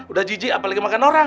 udah jijik apalagi makan orang